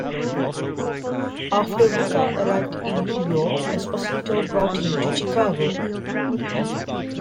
After Ricca arrived in New York, Esposito brought him to Chicago.